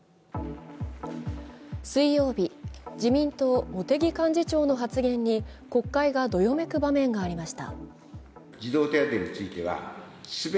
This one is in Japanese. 水曜日、自民党・茂木幹事長の発言に国会がどよめく場面がありました。